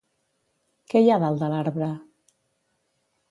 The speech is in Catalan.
Què hi ha dalt de l'arbre?